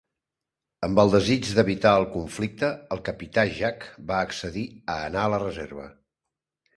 Amb el desig d'evitar el conflicte, el Capità Jack va accedir a anar a la reserva.